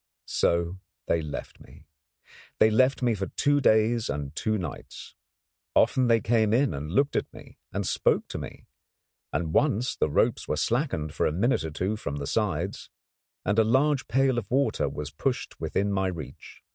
So they left me. They left me for two days and two nights. Often they came in and looked at me and spoke to me, and once the ropes were slackened for a minute or two from the sides, and a large pail of water was pushed within my reach.